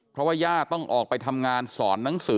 เพราะว่าย่าต้องออกไปทำงานสอนหนังสือ